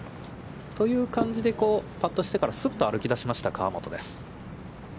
という感じで、パットしてからパットしてからすっと歩き出しました河本です。